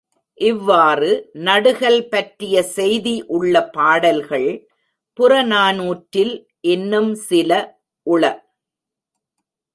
இவ்வாறு நடுகல் பற்றிய செய்தி உள்ள பாடல்கள் புறநானூற்றில் இன்னும் சில உள.